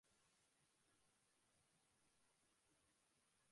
ওই হোটেলের প্রতিটা মানুষ বেঁচে আছে।